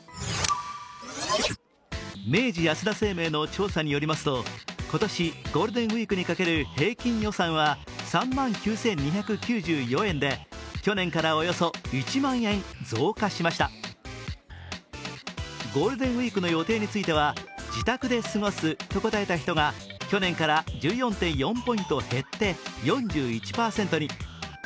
明治安田生命の調査によりますと、今年、ゴールデンウイークにかける平均予算は３万９２９４円で、去年からおよそ１万円増加しましたゴールデンウイークの予定については自宅で過ごすと答えた人が去年から１４．４ポイント減って４１％に。